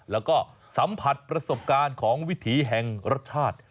แล้วก็สัมผัสประสบการณ์ของวิถีแห่งรสชาติ